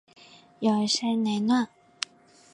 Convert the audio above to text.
열쇠 내놔.